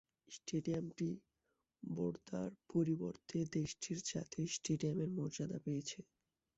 স্টেডিয়ামটি বোর্দা’র পরিবর্তে দেশটির জাতীয় স্টেডিয়ামের মর্যাদা পেয়েছে।